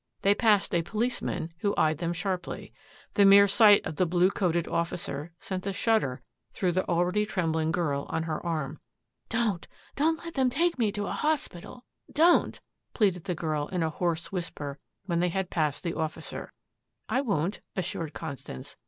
They passed a policeman who eyed them sharply. The mere sight of the blue coated officer sent a shudder through the already trembling girl on her arm. "Don't, don't let them take me to a hospital don't," pleaded the girl in a hoarse whisper when they had passed the officer. "I won't," reassured Constance.